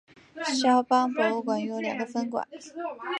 萧邦博物馆拥有两个分馆。